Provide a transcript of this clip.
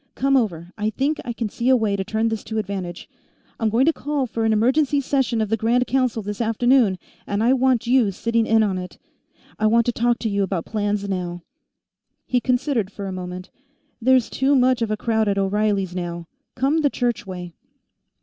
Come over. I think I can see a way to turn this to advantage. I'm going to call for an emergency session of the Grand Council this afternoon, and I'll want you sitting in on it; I want to talk to you about plans now." He considered for a moment. "There's too much of a crowd at O'Reilly's, now; come the church way."